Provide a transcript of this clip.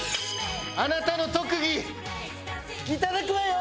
あなたの特技いただくわよ！